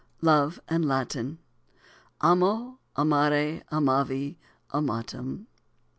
LOVE AND LATIN. Amo amare amavi amatum.